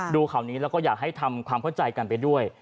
ข่าวนี้แล้วก็อยากให้ทำความเข้าใจกันไปด้วย